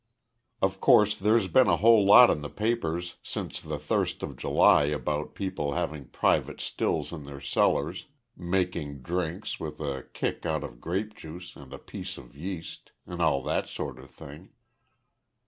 "Of course, there's been a whole lot in the papers since the Thirst of July about people having private stills in their cellars, making drinks with a kick out of grape juice and a piece of yeast, and all that sort of thing.